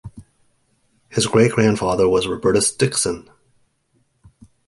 His great grandfather was Robertus Dixon.